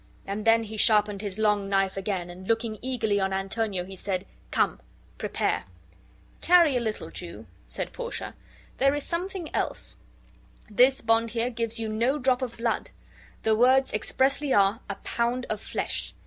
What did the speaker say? And then he sharpened his long knife again, and looking eagerly on Antonio, he said, "Come, prepare!" "Tarry a little, Jew," said Portia. "There is something else. This bond here gives you no drop of blood; the words expressly are, 'a pound of flesh.